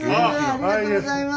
ありがとうございます。